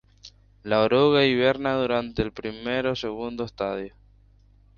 La oruga hiberna durante el primer o segundo estadio.